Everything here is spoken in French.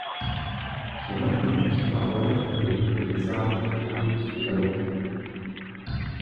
Son imprudente parole avait livré des armes à la ruse de l'avocat.